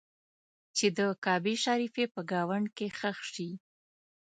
چې د کعبې شریفې په ګاونډ کې ښخ شي.